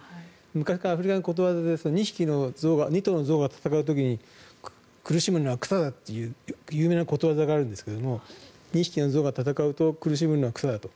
昔からアフリカのことわざですが２頭の象が戦う時に苦しむのは草だという有名なことわざがあるんですが２匹の象が戦うと苦しむのは草だと。